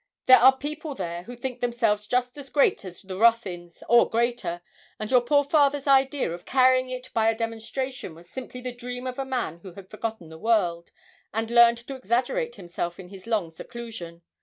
There are people there who think themselves just as great as the Ruthyns, or greater; and your poor father's idea of carrying it by a demonstration was simply the dream of a man who had forgotten the world, and learned to exaggerate himself in his long seclusion.